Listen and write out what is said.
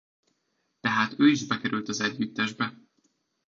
Tehát ő is bekerült az együttesbe.